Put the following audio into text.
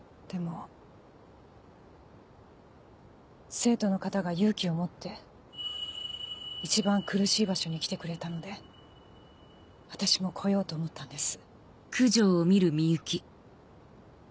生徒の方が勇気を持って一番苦しい場所に来てくれたので私も来ようと思ったんです。